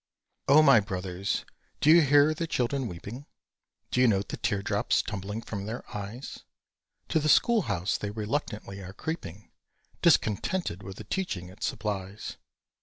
] O my Brothers, do you hear the children weeping? Do you note the teardrops tumbling from their eyes? To the school house they reluctantly are creeping, Discontented with the teaching it supplies.